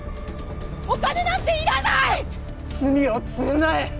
お金なんていらない！！